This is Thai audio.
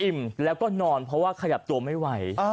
แล้วก็นอนเพราะว่าขยับตัวไม่ไหว